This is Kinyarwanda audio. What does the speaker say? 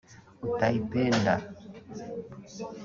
Utaipenda